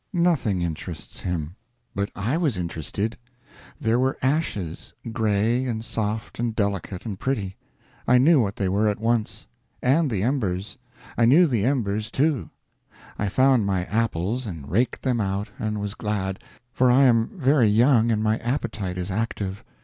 _Nothing _interests him. But I was interested. There were ashes, gray and soft and delicate and pretty I knew what they were at once. And the embers; I knew the embers, too. I found my apples, and raked them out, and was glad; for I am very young and my appetite is active.